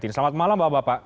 selamat malam bapak bapak